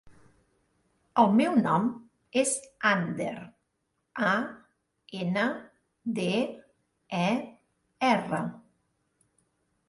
El meu nom és Ander: a, ena, de, e, erra.